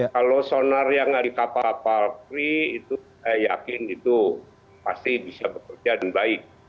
kalau sonar yang ada di kapal kapal free itu saya yakin itu pasti bisa